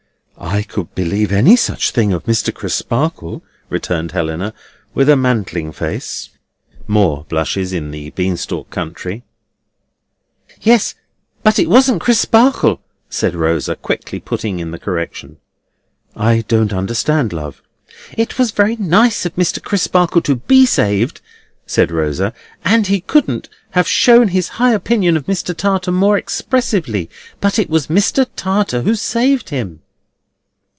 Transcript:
"I could believe any such thing of Mr. Crisparkle," returned Helena, with a mantling face. (More blushes in the bean stalk country!) "Yes, but it wasn't Crisparkle," said Rosa, quickly putting in the correction. "I don't understand, love." "It was very nice of Mr. Crisparkle to be saved," said Rosa, "and he couldn't have shown his high opinion of Mr. Tartar more expressively. But it was Mr. Tartar who saved him."